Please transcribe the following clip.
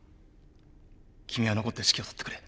君は残って指揮を執ってくれ。